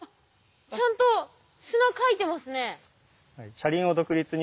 ちゃんと砂かいてますね。